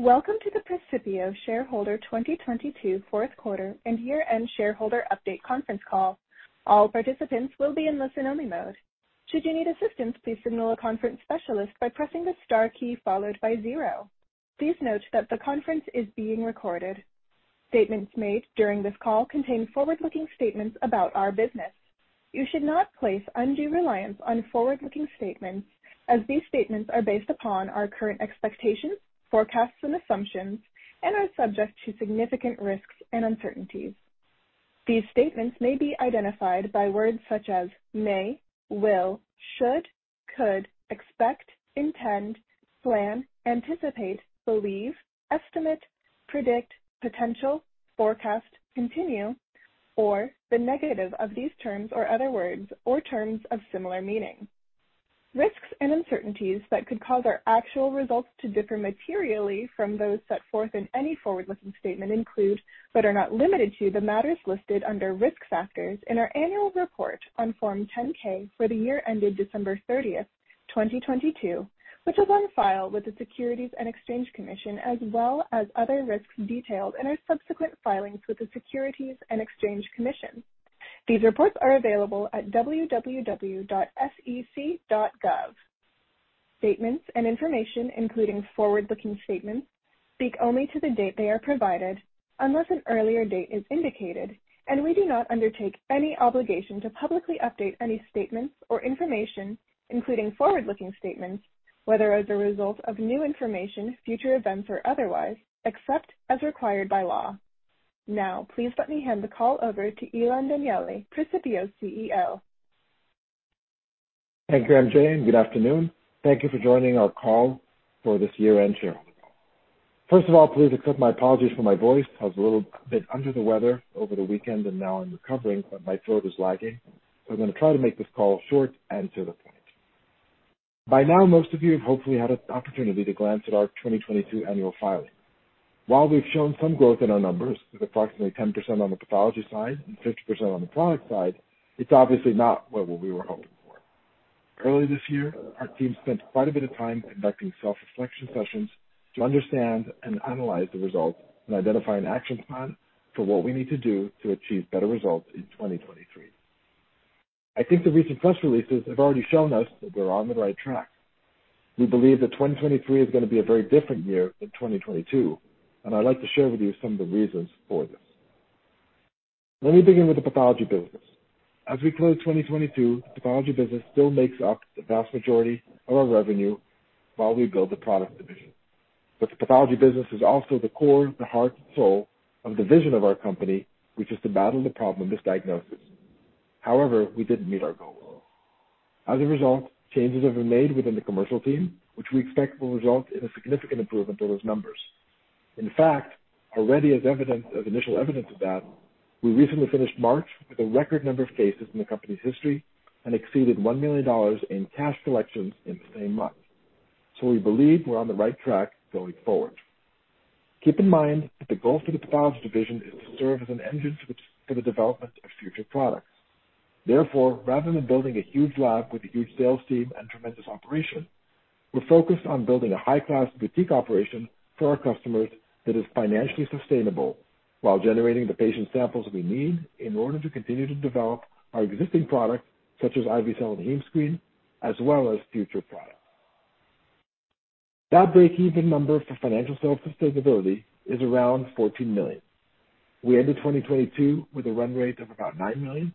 Welcome to the Precipio Shareholder 2022 fourth quarter and year-end shareholder update conference call. All participants will be in listen-only mode. Should you need assistance, please signal a conference specialist by pressing the star key followed by zero. Please note that the conference is being recorded. Statements made during this call contain forward-looking statements about our business. You should not place undue reliance on forward-looking statements as these statements are based upon our current expectations, forecasts and assumptions and are subject to significant risks and uncertainties. These statements may be identified by words such as may, will, should, could, expect, intend, plan, anticipate, believe, estimate, predict, potential, forecast, continue, or the negative of these terms or other words or terms of similar meaning. Risks and uncertainties that could cause our actual results to differ materially from those set forth in any forward-looking statement include, but are not limited to, the matters listed under Risk Factors in our annual report on Form 10-K for the year ended December 30th, 2022, which is on file with the Securities and Exchange Commission, as well as other risks detailed in our subsequent filings with the Securities and Exchange Commission. These reports are available at www.sec.gov. Statements and information, including forward-looking statements, speak only to the date they are provided, unless an earlier date is indicated, and we do not undertake any obligation to publicly update any statements or information, including forward-looking statements, whether as a result of new information, future events or otherwise, except as required by law. Now, please let me hand the call over to Ilan Danieli, Precipio's CEO. Thank you, MJ. Good afternoon. Thank you for joining our call for this year-end share. First of all, please accept my apologies for my voice. I was a little bit under the weather over the weekend and now I'm recovering, but my throat is lagging. I'm gonna try to make this call short and to the point. By now, most of you have hopefully had an opportunity to glance at our 2022 annual filing. While we've shown some growth in our numbers, with approximately 10% on the pathology side and 50% on the product side, it's obviously not what we were hoping for. Early this year, our team spent quite a bit of time conducting self-reflection sessions to understand and analyze the results and identify an action plan for what we need to do to achieve better results in 2023. I think the recent press releases have already shown us that we're on the right track. We believe that 2023 is gonna be a very different year than 2022, and I'd like to share with you some of the reasons for this. Let me begin with the pathology business. As we close 2022, the pathology business still makes up the vast majority of our revenue while we build the product division. The pathology business is also the core, the heart and soul of the vision of our company, which is to battle the problem of misdiagnosis. However, we didn't meet our goal. As a result, changes have been made within the commercial team, which we expect will result in a significant improvement to those numbers. In fact, already as initial evidence of that, we recently finished March with a record number of cases in the company's history and exceeded $1 million in cash collections in the same month. We believe we're on the right track going forward. Keep in mind that the goal for the pathology division is to serve as an engine for the development of future products. Rather than building a huge lab with a huge sales team and tremendous operation, we're focused on building a high-class boutique operation for our customers that is financially sustainable while generating the patient samples we need in order to continue to develop our existing products, such as IV-Cell and HemeScreen, as well as future products. That breakeven number for financial self-sustainability is around $14 million. We ended 2022 with a run rate of about $9 million.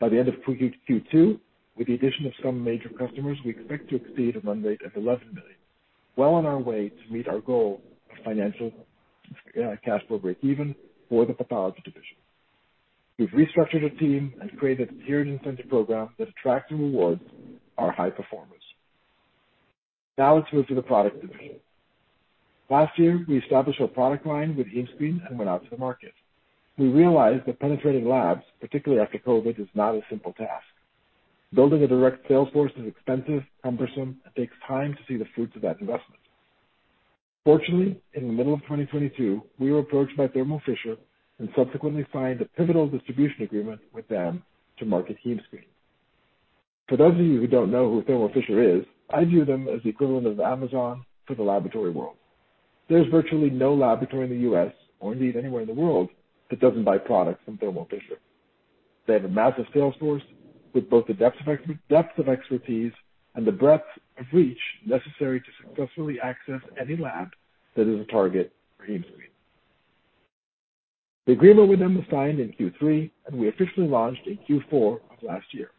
By the end of Q2, with the addition of some major customers, we expect to exceed a run rate of $11 million, well on our way to meet our goal of financial cash flow breakeven for the pathology division. We've restructured a team and created a tiered incentive program that tracks and rewards our high performers. Now let's move to the product division. Last year, we established our product line with HemeScreen and went out to the market. We realized that penetrating labs, particularly after COVID, is not a simple task. Building a direct sales force is expensive, cumbersome, and takes time to see the fruits of that investment. Fortunately, in the middle of 2022, we were approached by Thermo Fisher and subsequently signed a pivotal distribution agreement with them to market HemeScreen. For those of you who don't know who Thermo Fisher is, I view them as the equivalent of Amazon for the laboratory world. There's virtually no laboratory in the U.S., or indeed anywhere in the world, that doesn't buy products from Thermo Fisher. They have a massive sales force with both the depth of expertise and the breadth of reach necessary to successfully access any lab that is a target for HemeScreen. The agreement with them was signed in Q3, and we officially launched in Q4 of last year.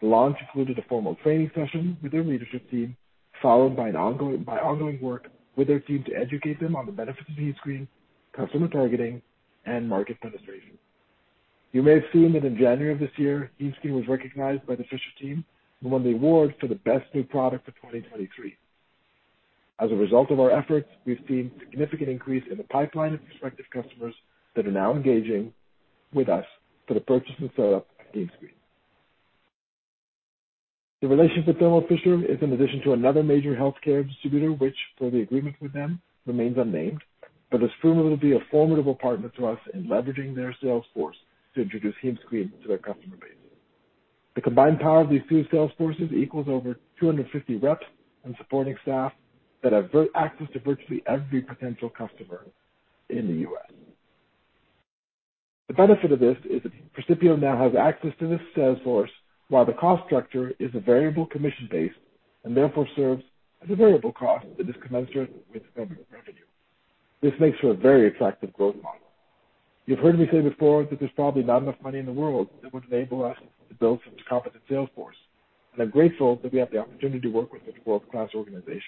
The launch included a formal training session with their leadership team, followed by ongoing work with their team to educate them on the benefits of HemeScreen, customer targeting, and market penetration. You may have seen that in January of this year, HemeScreen was recognized by the Fisher team and won the award for the best new product for 2023. As a result of our efforts, we've seen a significant increase in the pipeline of prospective customers that are now engaging with us for the purchase and setup of HemeScreen. The relationship with Thermo Fisher is an addition to another major healthcare distributor, which for the agreement with them remains unnamed, but is proven to be a formidable partner to us in leveraging their sales force to introduce HemeScreen to their customer base. The combined power of these two sales forces equals over 250 reps and supporting staff that have access to virtually every potential customer in the U.S. The benefit of this is that Precipio now has access to this sales force while the cost structure is a variable commission base and therefore serves as a variable cost that is commensurate with revenue. This makes for a very attractive growth model. You've heard me say before that there's probably not enough money in the world that would enable us to build such a competent sales force, and I'm grateful that we have the opportunity to work with such world-class organizations.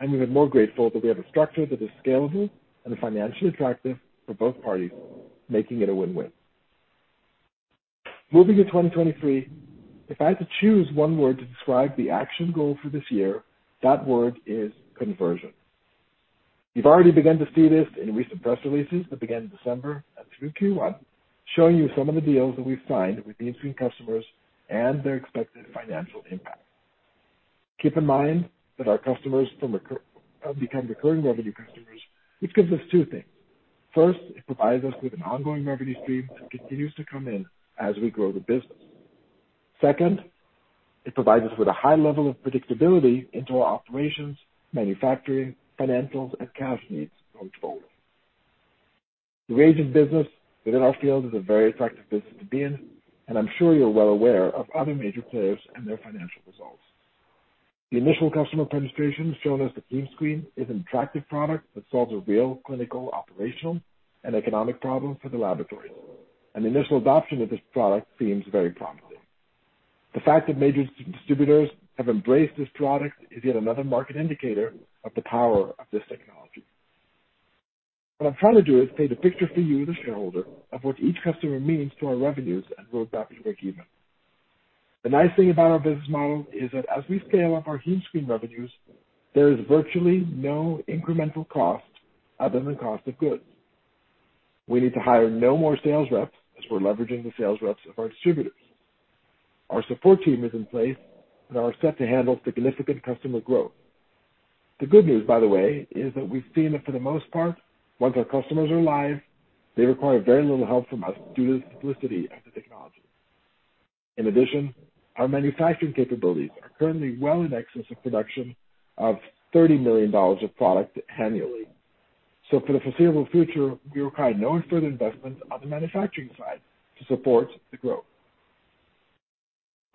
I'm even more grateful that we have a structure that is scalable and financially attractive for both parties, making it a win-win. Moving to 2023, if I had to choose one word to describe the action goal for this year, that word is conversion. You've already begun to see this in recent press releases that began in December and through Q1, showing you some of the deals that we've signed with these new customers and their expected financial impact. Keep in mind that our customers become recurring revenue customers, which gives us two things. First, it provides us with an ongoing revenue stream that continues to come in as we grow the business. Second, it provides us with a high level of predictability into our operations, manufacturing, financials, and cash needs going forward. The reagent business within our field is a very attractive business to be in, and I'm sure you're well aware of other major players and their financial results. The initial customer penetration shown as the HemeScreen is an attractive product that solves a real clinical, operational, and economic problem for the laboratories, and the initial adoption of this product seems very promising. The fact that major distributors have embraced this product is yet another market indicator of the power of this technology. What I'm trying to do is paint a picture for you, the shareholder, of what each customer means to our revenues and road map to breakeven. The nice thing about our business model is that as we scale up our HemeScreen revenues, there is virtually no incremental cost other than cost of goods. We need to hire no more sales reps as we're leveraging the sales reps of our distributors. Our support team is in place and are set to handle significant customer growth. The good news, by the way, is that we've seen that, for the most part, once our customers are live, they require very little help from us due to the simplicity of the technology. In addition, our manufacturing capabilities are currently well in excess of production of $30 million of product annually. For the foreseeable future, we require no further investment on the manufacturing side to support the growth.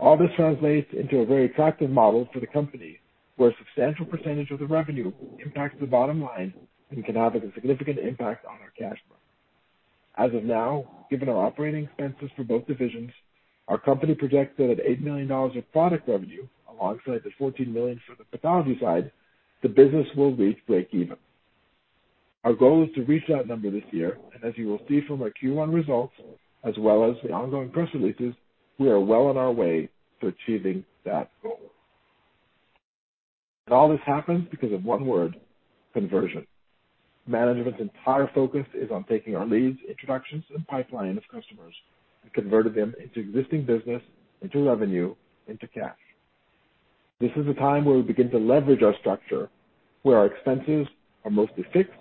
All this translates into a very attractive model for the company, where a substantial percentage of the revenue impacts the bottom line and can have a significant impact on our cash flow. As of now, given our operating expenses for both divisions, our company projects that at $8 million of product revenue alongside the $14 million for the pathology side, the business will reach breakeven. Our goal is to reach that number this year. As you will see from our Q1 results as well as the ongoing press releases, we are well on our way to achieving that goal. All this happens because of one word: conversion. Management's entire focus is on taking our leads, introductions, and pipeline of customers and converting them into existing business, into revenue, into cash. This is a time where we begin to leverage our structure, where our expenses are mostly fixed,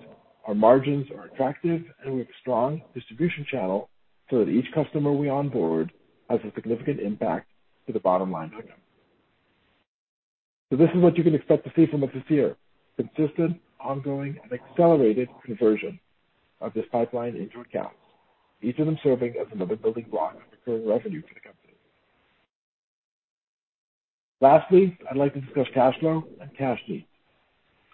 our margins are attractive, and we have a strong distribution channel so that each customer we onboard has a significant impact to the bottom line income. This is what you can expect to see from us this year, consistent, ongoing, and accelerated conversion of this pipeline into accounts, each of them serving as another building block of recurring revenue for the company. Lastly, I'd like to discuss cash flow and cash needs.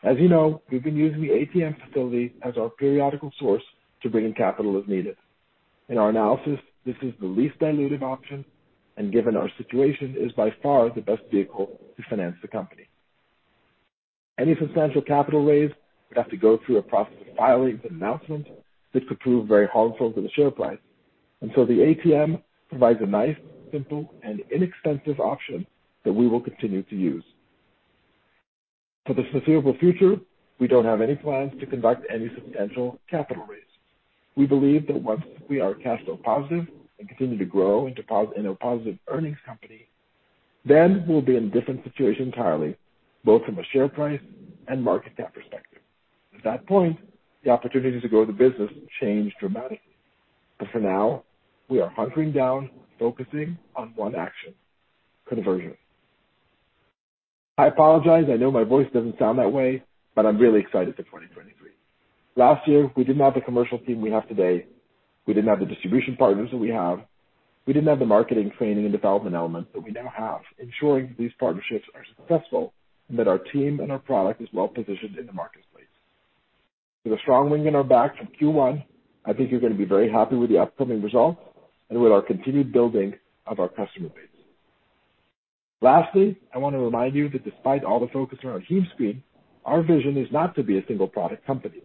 As you know, we've been using the ATM facility as our periodical source to bring in capital as needed. In our analysis, this is the least dilutive option and, given our situation, is by far the best vehicle to finance the company. Any substantial capital raise would have to go through a process of filings and announcements that could prove very harmful to the share price. The ATM provides a nice, simple, and inexpensive option that we will continue to use. For the foreseeable future, we don't have any plans to conduct any substantial capital raise. We believe that once we are cash flow positive and continue to grow into a positive earnings company, then we'll be in a different situation entirely, both from a share price and market cap perspective. At that point, the opportunities to grow the business change dramatically. For now, we are hunkering down, focusing on one action: conversion. I apologize, I know my voice doesn't sound that way, but I'm really excited for 2023. Last year, we didn't have the commercial team we have today. We didn't have the distribution partners that we have. We didn't have the marketing training and development elements that we now have, ensuring that these partnerships are successful and that our team and our product is well-positioned in the marketplace. With a strong wind in our back from Q1, I think you're gonna be very happy with the upcoming results and with our continued building of our customer base. Lastly, I wanna remind you that despite all the focus around HemeScreen, our vision is not to be a single product company.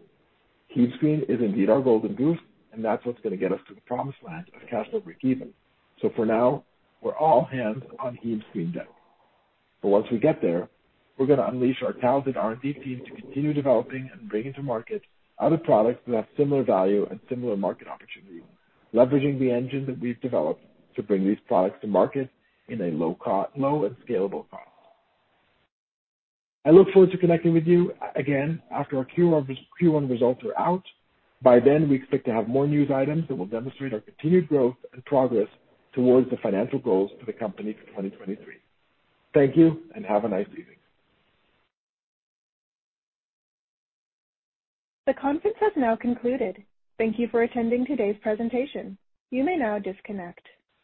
HemeScreen is indeed our golden goose, and that's what's gonna get us to the promised land of cash flow breakeven. For now, we're all hands on HemeScreen deck. Once we get there, we're gonna unleash our talented R&D team to continue developing and bringing to market other products that have similar value and similar market opportunity, leveraging the engine that we've developed to bring these products to market in a low and scalable cost. I look forward to connecting with you again after our Q1 results are out. By then, we expect to have more news items that will demonstrate our continued growth and progress towards the financial goals for the company for 2023. Thank you, and have a nice evening. The conference has now concluded. Thank you for attending today's presentation. You may now disconnect.